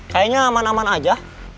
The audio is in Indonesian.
kayaknya aman aman aja